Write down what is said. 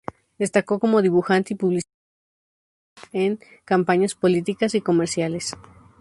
Destacó como dibujante y publicista, participando en campañas políticas y comerciales.